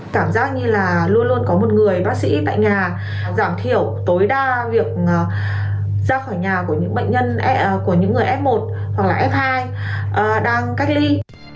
cảm giác như là luôn luôn có một người bác sĩ tại nhà giảm thiểu tối đa việc ra khỏi nhà của những bệnh nhân của những người f một hoặc là f hai đang cách ly